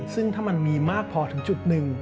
ซึ่งถ้ามันมีมากพอถึงจุดหนึ่ง